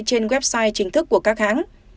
trên website chính thức của các hãng